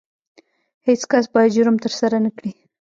هیڅ کس باید جرم ترسره نه کړي.